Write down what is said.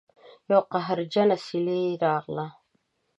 یوه قهرجنه سیلۍ راغله